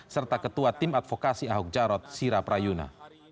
serta ketua tim advokasi ahok jarot sira prayuna